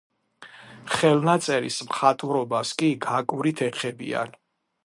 ხელნაწერის მხატვრობას კი გაკვრით ეხებიან.